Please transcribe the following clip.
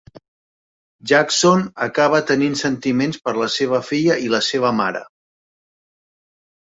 Jackson acaba tenint sentiments per la seva filla i la seva mare.